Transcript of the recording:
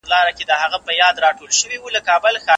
تدريس د نصاب له مخي روان وي؛ ؛خو تعليم انعطاف لري.